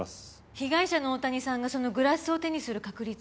被害者の大谷さんがそのグラスを手にする確率は？